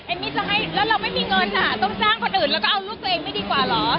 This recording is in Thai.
มี่จะให้แล้วเราไม่มีเงินต้องจ้างคนอื่นแล้วก็เอาลูกตัวเองไม่ดีกว่าเหรอ